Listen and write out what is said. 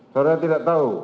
saudara tidak tahu